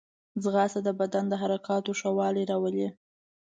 ځغاسته د بدن د حرکاتو ښه والی راولي